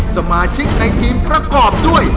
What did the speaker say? สมาชิกในทีมประกอบด้วย